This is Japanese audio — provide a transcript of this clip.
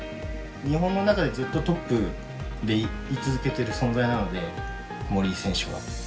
日本の中で、ずっとトップで居続けている存在なので森井選手は。